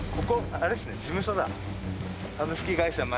あれっすね。